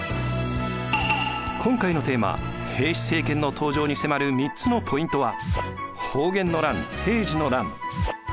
今回のテーマ「平氏政権の登場」に迫る３つのポイントは。